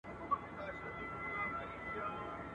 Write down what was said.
د سینې پر باغ دي راسي د سړو اوبو رودونه..